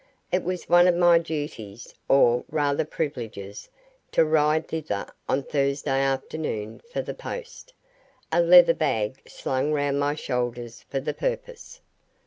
It was one of my duties, or rather privileges, to ride thither on Thursday afternoon for the post, a leather bag slung round my shoulders for the purpose.